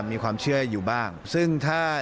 มีความเชื่ออยู่บ้างซึ่งถ้า